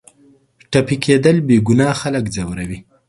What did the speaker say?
ټپي کېدل بېګناه خلک ځوروي.